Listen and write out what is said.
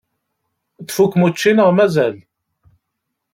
Tfukkem učči neɣ mazal?